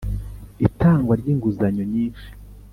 itangwa ry inguzanyo nyinshi